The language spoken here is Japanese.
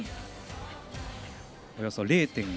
およそ０．５